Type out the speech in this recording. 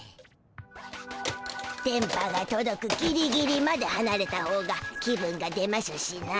電波がとどくギリギリまではなれたほうが気分が出ましゅしな。